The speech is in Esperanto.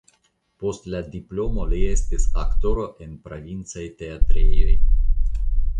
Post la diplomo li estis aktoro en provincaj teatrejoj.